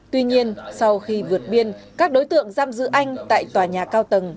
tuy nhiên sau khi vượt biên các đối tượng giam giữ anh tại tòa nhà cao tầng